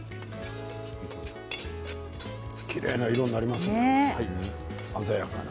きれいな色になりますね鮮やかな。